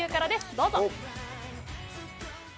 どうぞ。